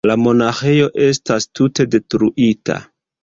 La monaĥejo estas tute detruita.